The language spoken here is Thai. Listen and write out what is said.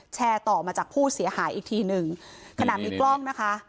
แชร์ต่อมาจากผู้เสียหายอีกทีหนึ่งขณะมีกล้องนะคะ